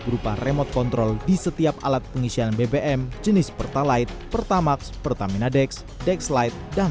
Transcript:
berupa remote control di setiap alat pengisian bbm jenis pertalite pertamax pertamina dex dexlite dan